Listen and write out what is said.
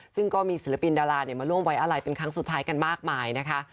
ซึ่งก็มีศิลปินดารามาร่วมไว้อะไรเป็นครั้งสุดท้ายกันมากมายนะคะ